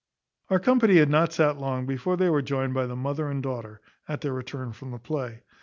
Our company had not sat long before they were joined by the mother and daughter, at their return from the play.